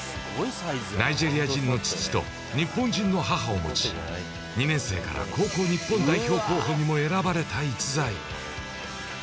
ナイジェリア人の父と日本人の母を持ち、２年生から高校日本代表候補にも選ばれた逸材。